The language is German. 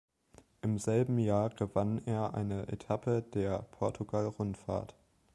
Im selben Jahr gewann er eine Etappe der Portugal-Rundfahrt.